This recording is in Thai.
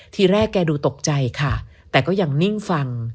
ทีแรกแกดูตกใจค่ะแต่ก็ยังนิ่งฟัง